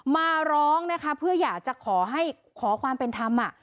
มาร้องนะคะเพื่ออยากจะขอให้ขอความเป็นธรรม